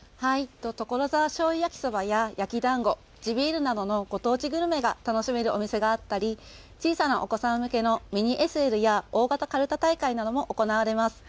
所沢しょうゆ焼きそばや焼きだんご、地ビールなどのご当地グルメを楽しめるをお店があったり小さなお子さん向けのミニＳＬや大型かるた大会も行われます。